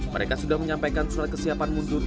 mereka sudah menyampaikan soal kesiapan mundur